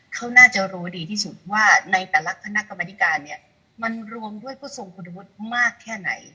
เขาน่าจะรู้ดีที่สุดว่าในแต่ละคณะกรรมธิการเนี่ยมันรวมด้วยผู้ทรงคุณวุฒิมากแค่ไหน